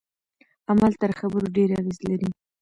عمل تر خبرو ډیر اغیز لري.